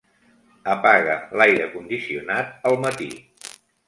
Apaga l'aire condicionat al matí.